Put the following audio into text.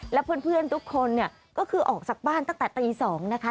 และเพื่อนทุกคนเนี่ยก็คือออกจากบ้านตั้งแต่ตี๒นะคะ